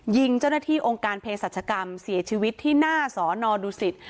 ยิงเจ้าหน้าที่องค์การเพศรัชกรรมเสียชีวิตที่หน้าสอนอดูสิต